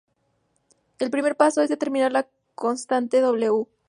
El primer paso es determinar la constante "w".